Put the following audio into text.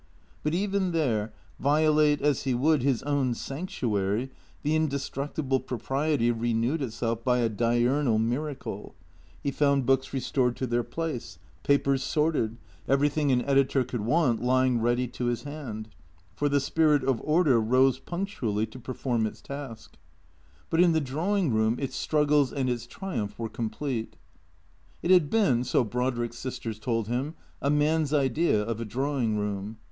But even there, violate as he would his own sanctuary, the inde structible propriety renewed itself by a diurnal miracle. He found books restored to their place, papers sorted, everything an editor could want lying ready to his hand. For the spirit of order rose punctually to perform its task. 10 153 154 THECKEATOES But in the drawing room its struggles and its triumph were complete. It had been, so Brodrick's sisters told him, a man's idea of a drawing room.